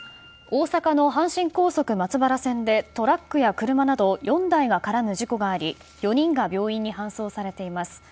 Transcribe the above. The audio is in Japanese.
大阪の阪神高速松原線でトラックや車など４台が絡む事故があり４人が病院に搬送されています。